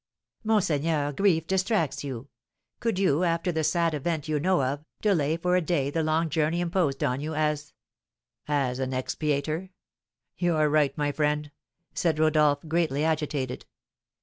"Monseigneur, grief distracts you! Could you, after the sad event you know of, delay for a day the long journey imposed on you, as " "As an expiator! You are right, my friend," said Rodolph, greatly agitated.